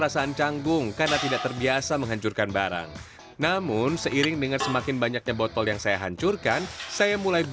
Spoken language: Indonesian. sampai jumpa di video selanjutnya